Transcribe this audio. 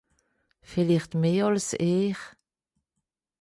Villicht meh àls ìhr.